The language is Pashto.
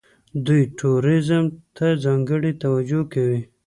دوی ټوریزم ته ځانګړې توجه کوي.